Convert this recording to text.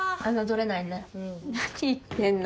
何言ってんの。